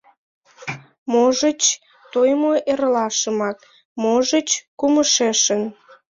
Можыч, тойымо эрлашымак, можыч, кумышешын...